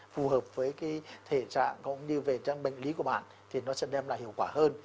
phù hợp với cái thể trạng cũng như về trang bệnh lý của bạn thì nó sẽ đem lại hiệu quả hơn